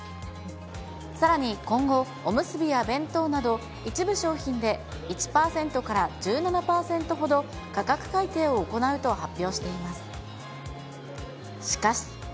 さらに今後、おむすびや弁当など、一部商品で１％から１７％ほど、価格改定を行うと発表しています。